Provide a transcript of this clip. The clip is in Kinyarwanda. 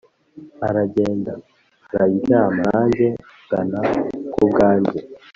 Aragenda araryamaNanjye ngana ku bwanjye